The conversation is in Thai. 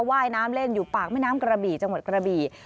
ว่ายน้ำเล่นอยู่ปากแม่น้ำกระบี่จังหวัดกระบี่